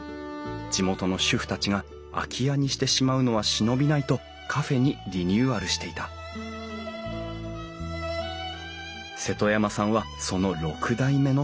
地元の主婦たちが空き家にしてしまうのは忍びないとカフェにリニューアルしていた瀬戸山さんはその６代目の店主。